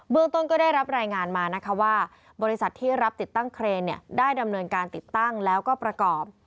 เมืองต้นก็ได้รับรายงานมานะคะว่าบริษัทที่รับติดตั้งเครนได้ดำเนินการติดตั้งแล้วก็ประกอบ